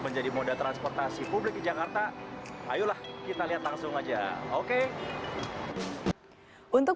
menjadi moda transportasi publik di jakarta ayolah kita lihat langsung aja oke untuk